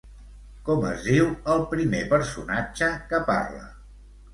Com es diu el primer personatge que parla?